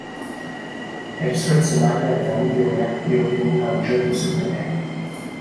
Elle souhaite se marier avec un millionnaire et obtenir un job de secrétaire.